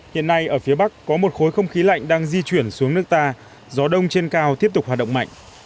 hiện nay ở phía bắc có một khối không khí lạnh đang di chuyển xuống nước ta gió đông trên cao tiếp tục hoạt động mạnh